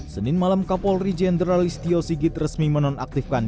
senin malam kapolri jenderalist tio sigit resmi menonaktifkan